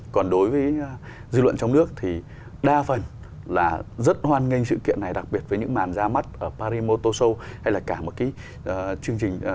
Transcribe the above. còn đối với dư luận trong nước thì đa phần là rất hoan nghênh sự kiện này đặc biệt với những màn ra mắt ở paris motor show hay là cả một cái chương trình